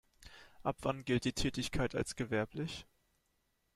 Ab wann gilt die Tätigkeit als gewerblich?